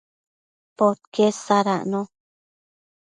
podquied sadacno